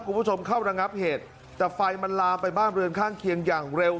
คุณผู้ชมเข้าระงับเหตุแต่ไฟมันลามไปบ้านเรือนข้างเคียงอย่างเร็ว